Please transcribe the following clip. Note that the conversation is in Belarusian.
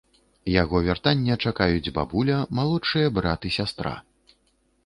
Яго вяртання чакаюць бабуля, малодшыя брат і сястра.